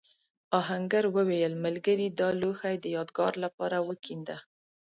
آهنګر وویل ملګري دا لوښی د یادگار لپاره وکېنده.